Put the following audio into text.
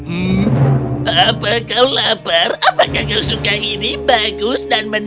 hmm apa kau lapar apakah kau suka ini bagus dan menarik